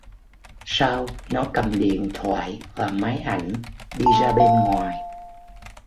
Sau nó cầm điện thoại và máy ảnh đi ra bên ngoài